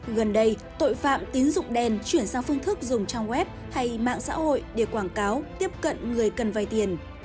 gần đây tội phạm tín dụng đen chuyển sang phương thức dùng trang web hay mạng xã hội để quảng cáo tiếp cận người cần vay tiền